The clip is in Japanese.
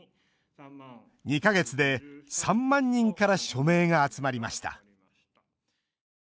２か月で３万人から署名が集まりました。